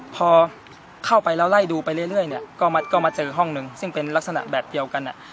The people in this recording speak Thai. พอเข้าไปแล้วไล่ดูไปเรื่อยเนี่ยก็มาเจอห้องหนึ่งซึ่งเป็นลักษณะแบบเดียวกัน